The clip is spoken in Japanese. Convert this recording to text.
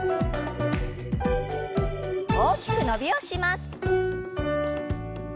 大きく伸びをします。